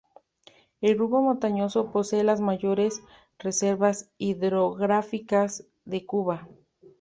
El grupo montañoso posee las mayores reservas hidrográficas de Cuba.